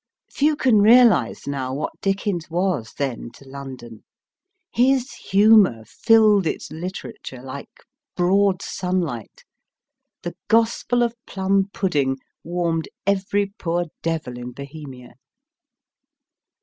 Few can realise now what Dickens was then to London. His humour filled its literature like broad sunlight ; the Gospel of Plum pudding warmed every poor devil in Bohemia.